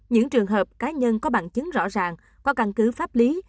những trường hợp cá nhân có bằng chứng rõ ràng có căn cứ pháp lý